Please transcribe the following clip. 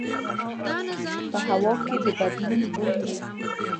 په هوا کې د بدلون بوی وي